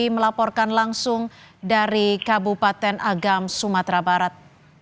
melaporkan langsung dari kabupaten agam sumatera barat